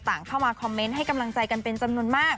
เข้ามาคอมเมนต์ให้กำลังใจกันเป็นจำนวนมาก